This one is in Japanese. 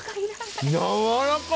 やわらかい。